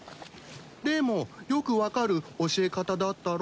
でもよく分かる教え方だったろ？